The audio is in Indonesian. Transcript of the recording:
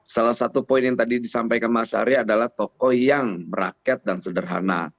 salah satu poin yang tadi disampaikan mas arya adalah tokoh yang merakyat dan sederhana